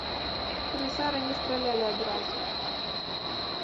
Камісара не стралялі адразу.